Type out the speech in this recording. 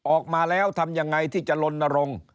ออกมาแล้วทำยังไงที่จะลนรงค์